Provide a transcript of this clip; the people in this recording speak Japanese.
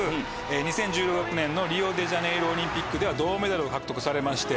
２０１６年のリオデジャネイロオリンピックでは銅メダルを獲得されまして。